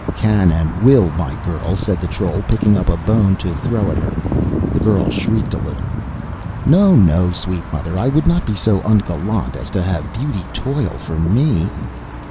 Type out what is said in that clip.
"Can and will, my girl," said the troll, picking up a bone to throw at her. The girl shrieked a little. "No, no, sweet mother. I would not be so ungallant as to have beauty toil for me."